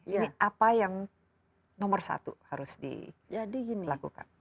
ini apa yang nomor satu harus dilakukan